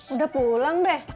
udah pulang deh